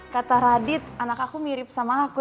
kata radit anak aku mirip sama aku